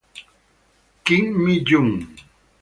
Kim Mi-jung